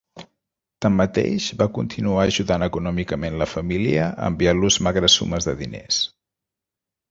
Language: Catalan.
Tanmateix, va continuar ajudant econòmicament la família enviant-los magres sumes de diners.